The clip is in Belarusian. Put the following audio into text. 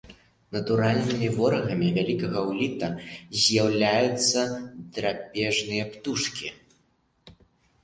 Натуральнымі ворагамі вялікага уліта з'яўляюцца драпежныя птушкі.